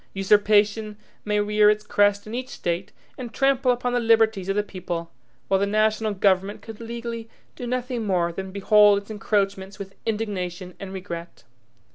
Usurpation may rear its crest in each State, and trample upon the liberties of the people, while the national government could legally do nothing more than behold its encroachments with indignation and regret.